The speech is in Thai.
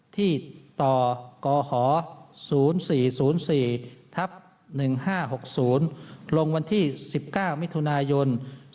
ที่ต่อกห๐๔๐๔ทับ๑๕๖๐ลงวันที่๑๙มิถุนายน๒๕๖